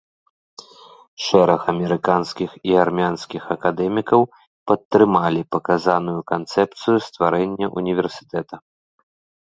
Шэраг амерыканскіх і армянскіх акадэмікаў падтрымалі паказаную канцэпцыю стварэння ўніверсітэта.